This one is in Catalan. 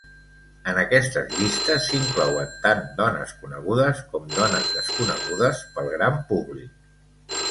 En aquesta llista s'inclouen tant dones conegudes com dones desconegudes pel gran públic.